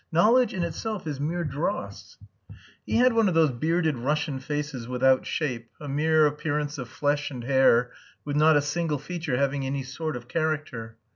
Knowledge in itself is mere dross." He had one of those bearded Russian faces without shape, a mere appearance of flesh and hair with not a single feature having any sort of character.